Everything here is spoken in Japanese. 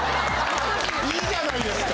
いいじゃないですか。